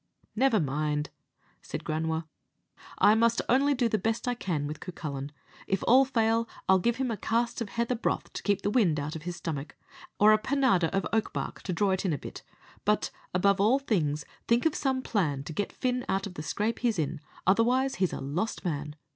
"Never mind," said Granua, "I must only do the best I can with Cucullin. If all fail, I'll give him a cast of heather broth to keep the wind out of his stomach, or a panada of oak bark to draw it in a bit; but, above all things, think of some plan to get Fin out of the scrape he's in, otherwise he's a lost man.